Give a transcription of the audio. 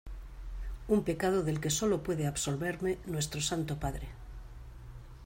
un pecado del que sólo puede absolverme Nuestro Santo Padre.